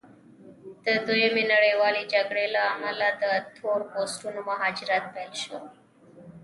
د دویمې نړیوالې جګړې له امله د تور پوستو مهاجرت پیل شو.